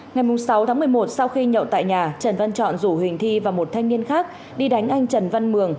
ngày sáu tháng một mươi một sau khi nhậu tại nhà trần văn chọn rủ huỳnh thi và một thanh niên khác đi đánh anh trần văn mường